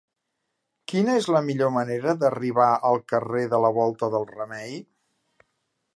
Quina és la millor manera d'arribar al carrer de la Volta del Remei?